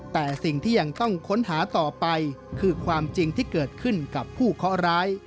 แต่สิ่งที่ยังต้องค้นหาต่อไปคือความจริงที่เกิดขึ้นกับผู้เคาะร้าย